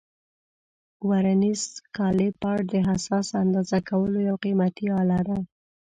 ورنیز کالیپر د حساس اندازه کولو یو قیمتي آله ده.